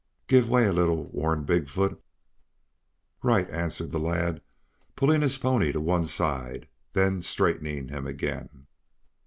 "Give way a little!" warned Big foot. "Right!" answered the lad, pulling his pony to one side, then straightening him again.